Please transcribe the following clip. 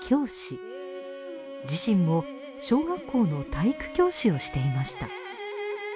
自身も小学校の体育教師をしていました。